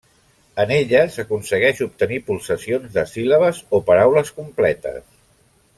En elles s'aconsegueix obtenir pulsacions de síl·labes o paraules completes.